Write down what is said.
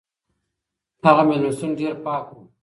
هغه مېلمستون ډېر پاک و.